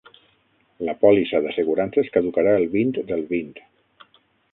La pòlissa d'assegurances caducarà el vint del vint.